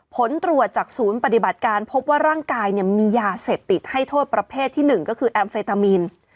ผลตรวจจากศูนย์ปฏิบัติการพบว่าร่างกายมียาเสพติดให้โทษประเภทที่๑ก็คือแอมเฟตามีน